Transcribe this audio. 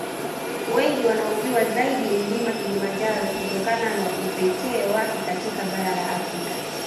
Wengi wanaUjua zaidi Mlima Kilimanjaro kutokana na upekee wake katika bara la Afrika